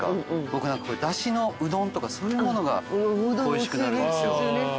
僕だしのうどんとかそういうものが恋しくなるんですよ。